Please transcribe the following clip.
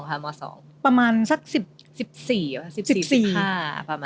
ประมาณสัก๑๔ประมาณ๑๔๑๕ประมาณ